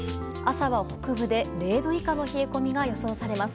朝は北部で、０度以下の冷え込みが予想されます。